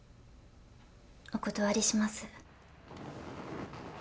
お断りします。